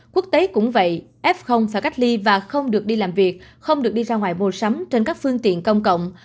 quốc tế cũng vậy f phải cách ly và không được đi làm việc không được đi ra ngoài mua sắm trên các phương tiện công cộng